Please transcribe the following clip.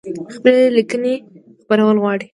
خپلي لیکنۍ خپرول غواړی؟